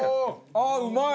ああうまい！